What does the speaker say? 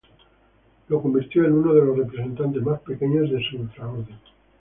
Lo convirtió en uno de los representantes más pequeños de su infraorden.